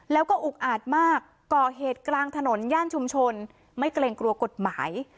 แล้วก็อุกอาจมากก่อเหตุกลางถนนย่านชุมชนไม่เกรงกลัวกฎหมาย